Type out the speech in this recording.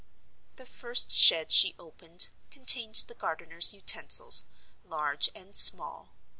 The first shed she opened contained the gardener's utensils, large and small.